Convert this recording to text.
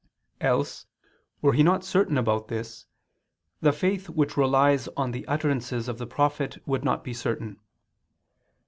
Else, were he not certain about this, the faith which relies on the utterances of the prophet would not be certain.